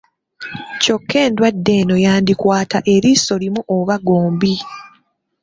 Kyokka endwadde eno yandikwata eriiso limu oba gombi